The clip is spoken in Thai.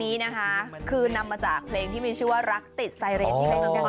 นี่นะคะคือนำมาจากเพลงที่มีชื่อว่ารักติดสายเรน